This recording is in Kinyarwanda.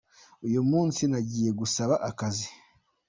Uyu munsi nagiye gusaba akazi.